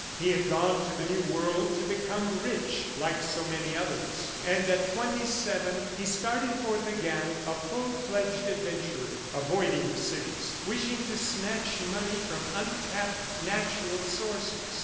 He had gone to the new world to become rich like so many others. And at twenty seven, he started forth again, a full fledged adventurer, avoiding the cities, wishing to snatch money from untapped, natural sources.